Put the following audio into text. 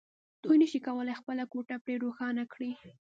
دوی نشوای کولای خپله کوټه پرې روښانه کړي